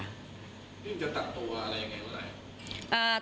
นี่จะตัดตัวอะไรยังไงบ้าง